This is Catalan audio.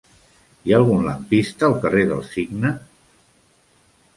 Hi ha algun lampista al carrer del Cigne?